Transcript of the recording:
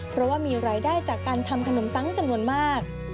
เพราะว่ามีรายได้จากการทำขนมซังจำนวนมาก